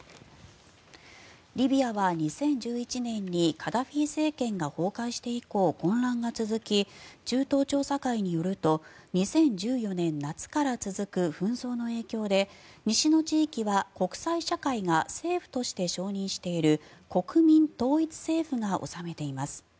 リビアは２０１１年にカダフィ政権が崩壊して以降混乱が続き中東調査会によると２０１４年夏から続く紛争の影響で西の地域は、国際社会が政府として承認している国民統一政府が治めています。